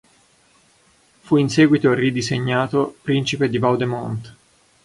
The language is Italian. Fu in seguito ridisegnato "principe di Vaudémont".